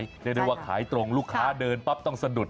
เรียกได้ว่าขายตรงลูกค้าเดินปั๊บต้องสะดุด